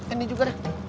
ini juga deh